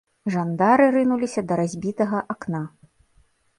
Жандары рынуліся да разбітага акна.